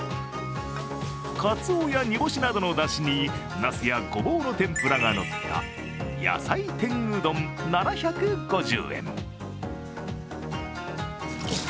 かつおや煮干しなどのだしになすや、ごぼうの天ぷらがのった野菜天うどん７５０円。